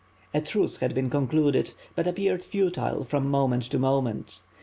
A truce had been concluded; but appeared futile from moment to moment.